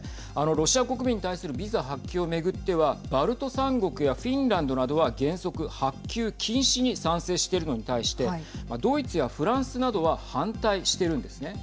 ロシア国民に対するビザ発給を巡ってはバルト３国やフィンランドなどは原則、発給禁止に賛成しているのに対してドイツやフランスなどは反対してるんですね。